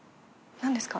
「何ですか？」